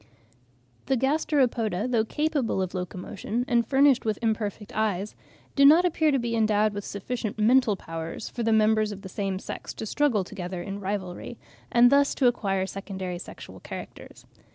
The Gasteropoda, though capable of locomotion and furnished with imperfect eyes, do not appear to be endowed with sufficient mental powers for the members of the same sex to struggle together in rivalry, and thus to acquire secondary sexual characters.